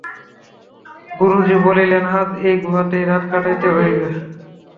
গুরুজি বলিলেন, আজ এই গুহাতেই রাত কাটাইতে হইবে।